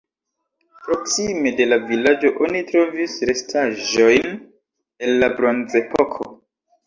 Proksime de la vilaĝo oni trovis restaĵojn el la bronzepoko.